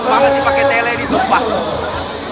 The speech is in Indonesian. enak banget sih pake tele di sumpah